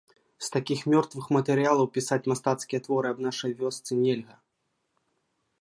З такіх мёртвых матэрыялаў пісаць мастацкія творы аб нашай вёсцы нельга.